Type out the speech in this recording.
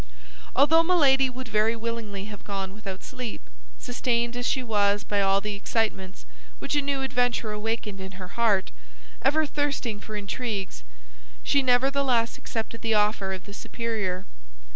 Although Milady would very willingly have gone without sleep, sustained as she was by all the excitements which a new adventure awakened in her heart, ever thirsting for intrigues, she nevertheless accepted the offer of the superior.